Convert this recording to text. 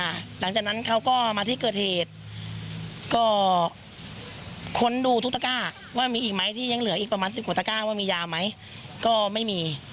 หลังจากนั้นเขาก็มาที่เกิดเหตุก็ค้นดูทุกตะก้าว่ามีอีกไหมที่ยังเหลืออีกประมาณสิบกว่าตะก้าว่ามียาไหมก็ไม่มี